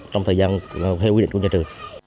trong thời gian theo quy định của nhà trường